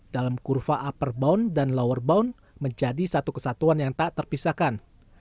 dalam kurva upper bound dan lower bound menjadi satu kesatuan yang tak terpisahkan